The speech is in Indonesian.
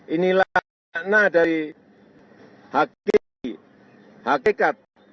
inilah ranah dari hakikat